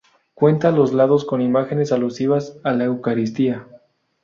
Cuenta a los lados con imágenes alusivas a la Eucaristía.